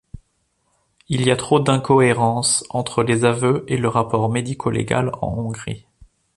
Il y a trop d'incohérences entre les aveux et le rapport médico-légal en Hongrie.